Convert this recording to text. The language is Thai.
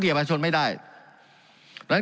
การปรับปรุงทางพื้นฐานสนามบิน